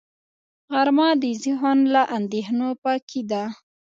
غرمه د ذهن له اندېښنو پاکي ده